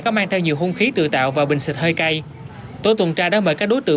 có mang theo nhiều hung khí tự tạo và bình xịt hơi cay tổ tuần tra đã mời các đối tượng